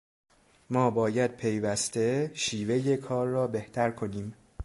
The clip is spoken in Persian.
ما باید پیوسته شیوهٔ کار را بهتر کنیم.